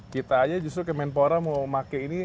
kita aja justru kemenpora mau pakai ini